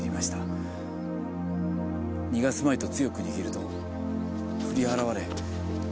逃がすまいと強く握ると振り払われ。